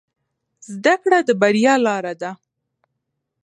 زده کړه د بریا لاره ده